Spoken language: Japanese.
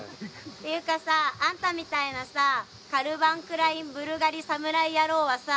ていうかさ、あんたみたいなさカルバンクライン・ブルガリ侍野郎はさ